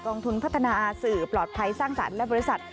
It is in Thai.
ทุนพัฒนาสื่อปลอดภัยสร้างสรรค์และบริษัท